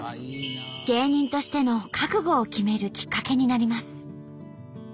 芸人としての覚悟を決めるきっかけになります。